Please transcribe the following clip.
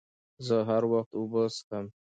زه هر وخت اوبه څښم.